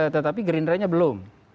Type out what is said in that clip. tetapi gerindranya belum